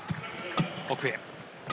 奥へ。